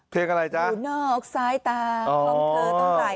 เพลงอะไรจ๊ะอยู่นอกซ้ายตาของเธอต้องไหล